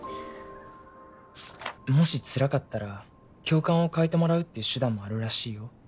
もしつらかったら教官を替えてもらうっていう手段もあるらしいよ。